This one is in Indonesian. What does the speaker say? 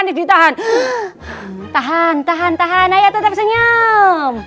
tahan tahan tahan tahan tahan ayo tetap senyum